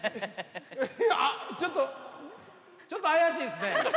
あっ、ちょっと、ちょっと怪しいですね。